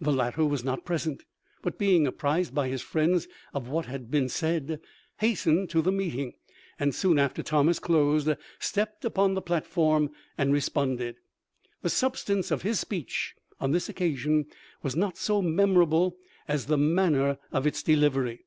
The latter was not present, but being apprised by his friends of what had been said, hastened to the meeting, and soon after Thomas closed, stepped upon the platform and re sponded. The substance of his speech on this oc casion was not so memorable as the manner of its delivery.